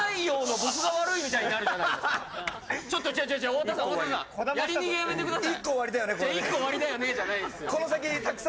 太田さん、太田さん、やり逃げやめてください。